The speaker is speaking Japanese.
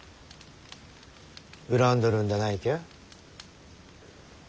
恨んどるんだないきゃ？